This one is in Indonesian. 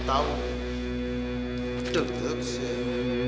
lo tuh kenapa sih